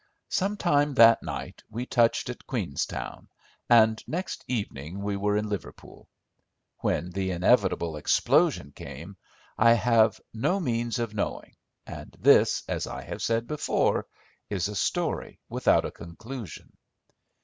Some time that night we touched at Queenstown, and next evening we were in Liverpool. When the inevitable explosion came, I have no means of knowing, and this, as I have said before, is a story without a conclusion.